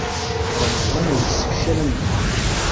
Remḍan yessefcal amdan.